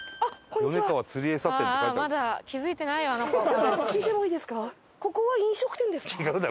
ちょっと聞いてもいいですか？